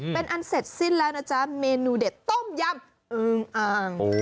เป็นอันเสร็จสิ้นแล้วนะจ๊ะเมนูเด็ดต้มยำอึงอ่าง